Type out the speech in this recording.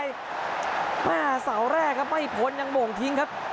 แม่เสาแรกครับไม่พ้นยังโมงทิ้งครับ